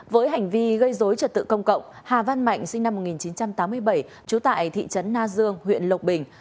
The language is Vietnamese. với hành vi gây dối trật tự công cộng hà văn mạnh sinh năm một nghìn chín trăm tám mươi bảy trú tại thị trấn na dương huyện lộc bình